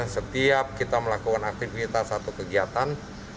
setiap kita melakukan aktivitas atau kegiatan